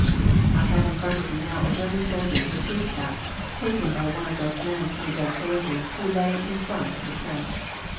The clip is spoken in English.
I have in front of me now a German soldier's fatigue cap, taken by one of those men from a dead soldier who lay in front of the trench.